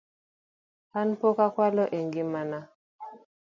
An pok akwalo e ngima na